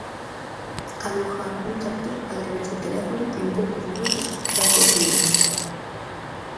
Alugar un tractor a través do teléfono en poucos minutos xa é posible.